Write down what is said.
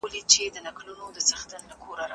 کتابتون د مور له خوا پاک ساتل کيږي؟!